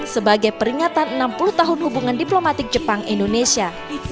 sebagai peringatan enam puluh tahun hubungan diplomatik jepang indonesia